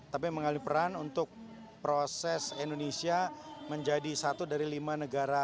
tapi mengambil peran untuk proses indonesia menjadi satu dari lima negara